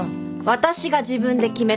私が自分で決めたの！